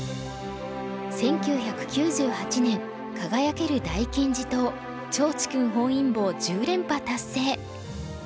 １９９８年輝ける大金字塔趙治勲本因坊１０連覇達成。